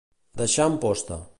Deixar en posta.